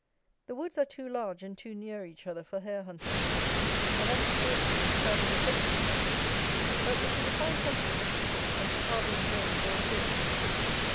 The woods are too large and too near each other for hare hunting; and, as to coursing it is out of the question here. But it is a fine country for shooting and for harbouring game of all sorts.